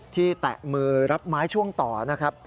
แตะมือรับไม้ช่วงต่อนะครับ